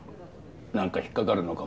なんか引っかかるのか？